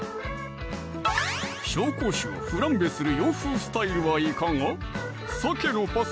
紹興酒をフランベする洋風スタイルはいかが？